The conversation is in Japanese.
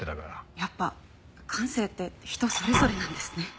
やっぱ感性って人それぞれなんですね。